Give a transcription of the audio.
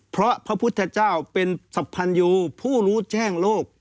เพราะพระพุทธเจ้าเป็นสัมพันโยผู้รู้แจ้งโลก